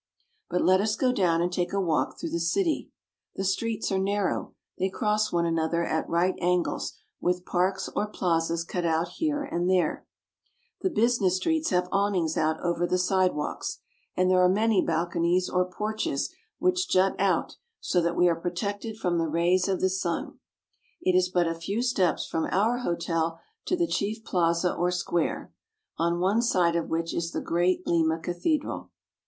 But let us go down and take a walk through the city. The streets are narrow. They cross one another at right angles, with parks or plazas cut out here and there. The Each house has a little court in the center." business streets have awnings out over the sidewalks, and there are many balconies or porches which jut out, so that we are protected from the rays of the sun. It is but a LIMA. 63 few steps from our hotel to the chief plaza or square, on one side of which is the great Lima cathedral.